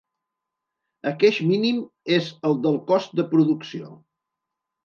Aqueix mínim és el del cost de producció.